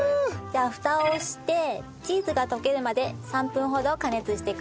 じゃあ蓋をしてチーズが溶けるまで３分ほど加熱してください。